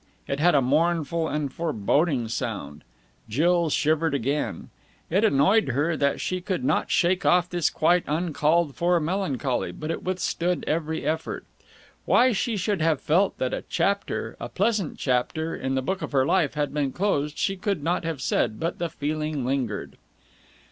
It had a mournful and foreboding sound. Jill shivered again. It annoyed her that she could not shake off this quite uncalled for melancholy, but it withstood every effort. Why she should have felt that a chapter, a pleasant chapter, in the book of her life had been closed, she could not have said, but the feeling lingered.